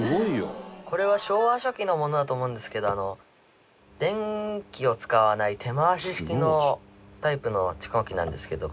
これは昭和初期のものだと思うんですけど電気を使わない手回し式のタイプの蓄音機なんですけど。